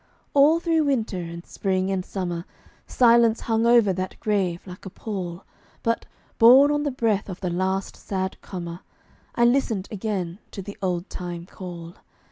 All through winter and spring and summer, Silence hung over that grave like a pall, But, borne on the breath of the last sad comer, I listen again to the old time call.